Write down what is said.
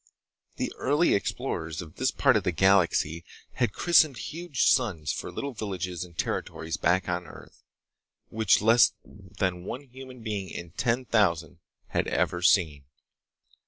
The early explorers of this part of the galaxy had christened huge suns for little villages and territories back on Earth—which less than one human being in ten thousand had ever seen.